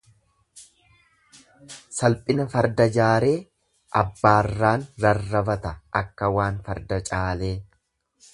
Salphina farda jaaree, abbaarraan rarrabata akka waan farda caalee.